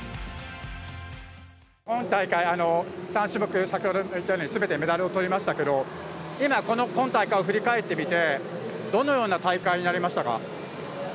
今大会、３種目すべてメダルをとりましたけど今大会を振り返ってみてどのような大会になりましたか？